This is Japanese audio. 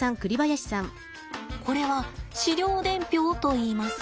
これは飼料伝票といいます。